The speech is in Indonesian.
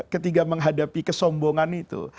ketika menghadapi kesombongan itu